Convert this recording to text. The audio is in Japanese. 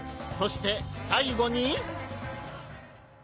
そして最後に！？